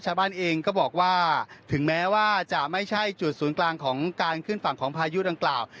ชาวบ้านเองก็บอกว่าถึงแม้ว่าจะไม่ใช่จุดศูนย์กลางของการขึ้นฝั่งของพายุดังกล่าว